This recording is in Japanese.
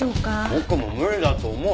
僕も無理だと思う。